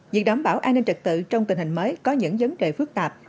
việc đảm bảo an ninh trật tự trong tình hình mới có những vấn đề phức tạp